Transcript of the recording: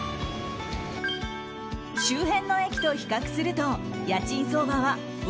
周辺の駅と比較すると家賃相場は１ＬＤＫ